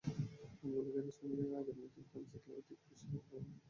বুলগেরিয়ার সঙ্গে আগের ম্যাচে ফ্রান্স জিতলেও ঠিক খুশি হতে পারেননি দেশম।